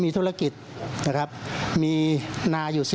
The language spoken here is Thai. พิจิตรไปเลยถามใครก็รู้นะ